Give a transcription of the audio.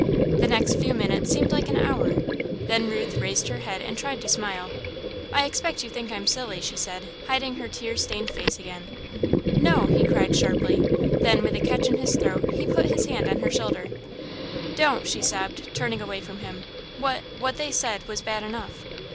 The next few minutes seemed like an hour, then Ruth raised her head and tried to smile. "I expect you think I'm silly," she said, hiding her tear stained face again. "No!" he cried, sharply; then, with a catch in his throat, he put his hand on her shoulder. "Don't!" she sobbed, turning away from him, "what what they said was bad enough!"